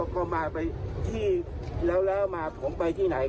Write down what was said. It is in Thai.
ก็มาไปที่แล้วมาผมไปที่ไหน